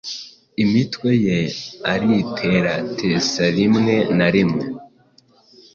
imitwe ya alliterates rimwe na rimwe